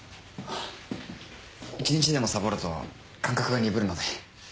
１日でもサボると感覚が鈍るので。